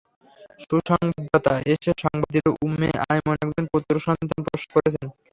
সুসংবাদদাতা এসে সংবাদ দিল, উম্মে আইমান একজন পুত্র সন্তান প্রসব করেছেন।